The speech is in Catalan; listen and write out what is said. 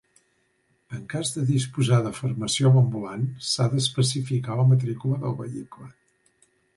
En cas de disposar de farmaciola ambulant s'ha d'especificar la matrícula del vehicle.